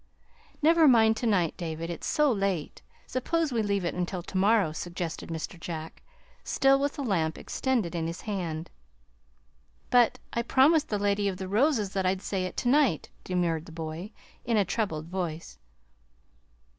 "Never mind to night, David; it's so late. Suppose we leave it until to morrow," suggested Mr. Jack, still with the lamp extended in his hand. "But I promised the Lady of the Roses that I'd say it to night," demurred the boy, in a troubled voice.